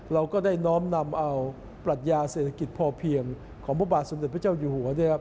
เราก็ได้น้อมนำเอาปรัชญาเศรษฐกิจพอเพียงของพระบาทสมเด็จพระเจ้าอยู่หัวเนี่ยครับ